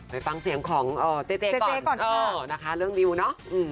ไปฟังเสียงของเจเจหน่อยก่อนเรื่องดิวก่อนอ่ะ